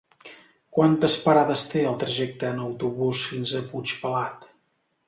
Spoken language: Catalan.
Quantes parades té el trajecte en autobús fins a Puigpelat?